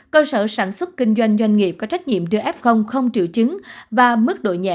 cơ sở sản xuất kinh doanh doanh nghiệp có trách nhiệm đưa f không triệu chứng và mức độ nhẹ